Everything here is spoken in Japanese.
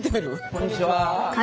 こんにちは。